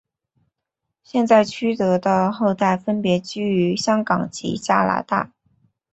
现在区德的后代分别居住于香港及加拿大。